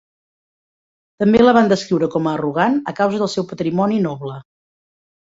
També la van descriure com a arrogant a causa del seu patrimoni noble.